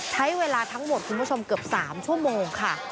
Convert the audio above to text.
ใช้เวลาทั้งหมดคุณผู้ชมเกือบ๓ชั่วโมงค่ะ